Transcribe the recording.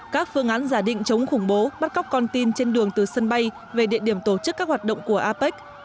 các phương án giả định chống khủng bố bắt cóc con tin trên đường từ sân bay về địa điểm tổ chức các hoạt động của apec